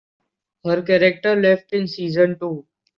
Her character left in season two.